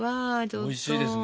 おいしいですね。